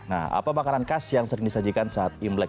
nah apa makanan khas yang sering disajikan saat imlek